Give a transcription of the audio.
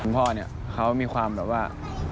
พ่อเนี่ยเขามีความแบบว่า